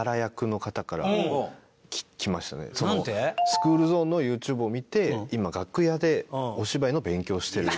「スクールゾーンのＹｏｕＴｕｂｅを見て今楽屋でお芝居の勉強をしてる」。